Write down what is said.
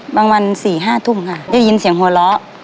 บางวัน๔๕ทุ่มค่ะเที่ยวยินเสียงหัวเราะ